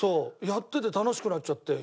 やってて楽しくなっちゃって。